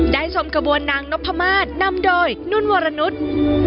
ชมกระบวนนางนพมาศนำโดยนุ่นวรนุษย์